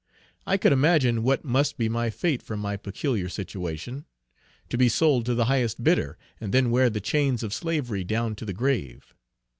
I could imagine what must be my fate from my peculiar situation. To be sold to the highest bidder, and then wear the chains of slavery down to the grave.